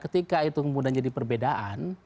ketika itu kemudian jadi perbedaan